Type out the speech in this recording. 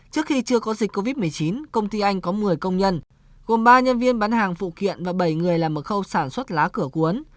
trước khi chưa có dịch covid một mươi chín công ty anh có một mươi công nhân gồm ba nhân viên bán hàng phụ kiện và bảy người làm một khâu sản xuất lá cửa cuốn